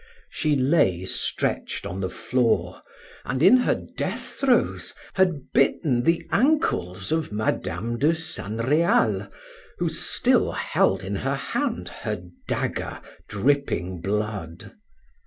She lay stretched on the floor, and in her death throes had bitten the ankles of Madame de San Real, who still held in her hand her dagger, dripping blood.